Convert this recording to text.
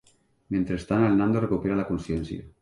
Mentrestant, el Nando recupera la consciència.